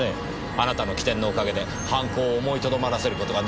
あなたの機転のお陰で犯行を思いとどまらせる事ができたのですから。